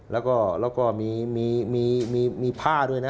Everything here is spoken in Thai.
แล้วก็มีผ้าด้วยนะ